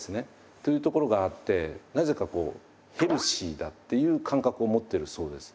というところがあってなぜかこうヘルシーだっていう感覚を持ってるそうです。